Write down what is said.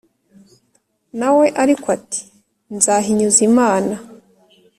Na we ariko ati "Nzahinyuza Imana".